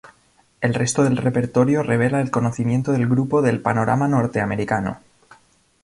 El resto del repertorio revela el conocimiento del grupo del panorama norteamericano.